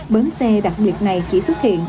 bến xe đặc biệt này chỉ xuất hiện